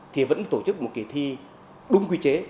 thì vẫn tổ chức một kỳ thi đúng quy chế